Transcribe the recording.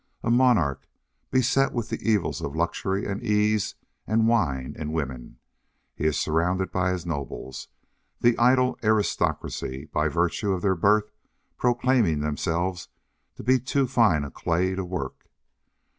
A monarch, beset with the evils of luxury and ease, and wine and women. He is surrounded by his nobles, the idle aristocracy, by virtue of their birth proclaiming themselves of too fine a clay to work.